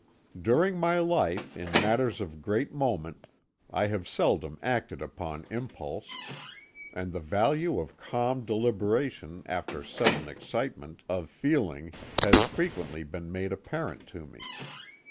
"During my life, in matters of great moment, I have seldom acted upon impulse, and the value of calm deliberation after sudden excitement of feeling has frequently been made apparent to me.